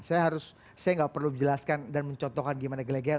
saya gak perlu menjelaskan dan mencontohkan gimana gelegean